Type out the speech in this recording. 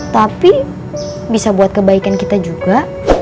tapi bisa buat kebaikan kita juga